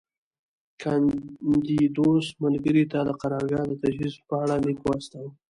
کاندیدوس ملګري ته د قرارګاه د تجهیز په اړه لیک واستاوه